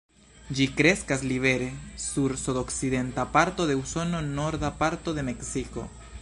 Ĝi kreskas libere sur sudokcidenta parto de Usono, norda parto de Meksiko.